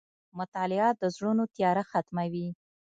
• مطالعه د زړونو تیاره ختموي.